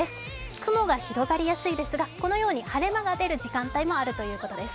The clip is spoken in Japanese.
雲が広がりやすいですが、このように晴れ間の出る時間帯もあるということです。